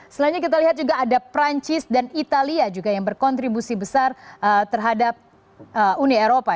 selanjutnya kita lihat juga ada perancis dan italia juga yang berkontribusi besar terhadap uni eropa